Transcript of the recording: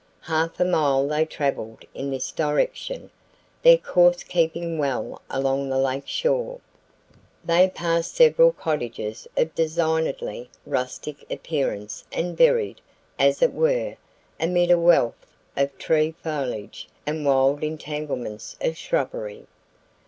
Half a mile they traveled in this direction, their course keeping well along the lake shore. They passed several cottages of designedly rustic appearance and buried, as it were, amid a wealth of tree foliage and wild entanglements of shrubbery.